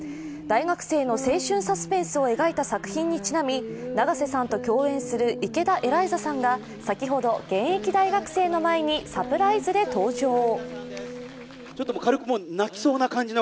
大学生の青春サスペンスを描いた作品にちなみ永瀬さんと共演する池田エライザさんが先ほど、現役大学生の前にサプライズで登場。